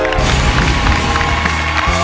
อียมขอบคุณครับ